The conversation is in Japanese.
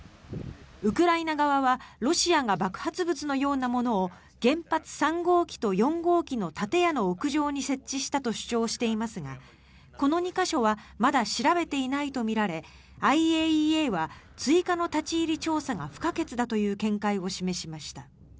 ウクライナ側はロシアが爆発物のようなものを原発３号機と４号機の建屋の屋上に設置したと主張していますがこの２か所はまだ調べていないとみられＩＡＥＡは追加の立ち入り調査が不可欠だという見解を示しました。